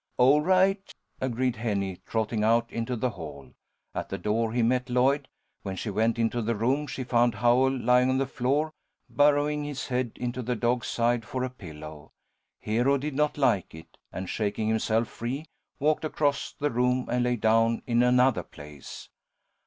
"All right," agreed Henny, trotting out into the hall. At the door he met Lloyd. When she went into the room she found Howell lying on the floor, burrowing his head into the dog's side for a pillow. Hero did not like it, and, shaking himself free, walked across the room and lay down in another place.